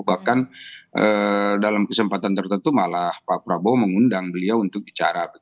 bahkan dalam kesempatan tertentu malah pak prabowo mengundang beliau untuk bicara